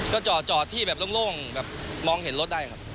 ก็จอดที่แบบโล่งแบบมองเห็นรถได้ครับ